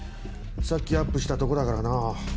さっきアップしたとこだからな。